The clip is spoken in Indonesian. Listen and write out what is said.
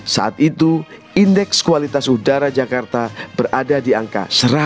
saat itu indeks kualitas udara jakarta berada di angka satu ratus tujuh puluh